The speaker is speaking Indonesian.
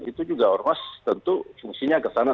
itu juga ormas tentu fungsinya ke sana